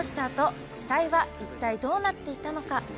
あと死体は一体どうなっていたのか。